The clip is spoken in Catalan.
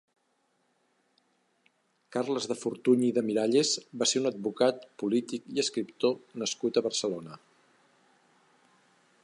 Carles de Fortuny i de Miralles va ser un advocat, polític i escriptor nascut a Barcelona.